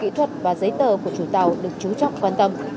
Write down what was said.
kỹ thuật và giấy tờ của chủ tàu được trú trọng quan tâm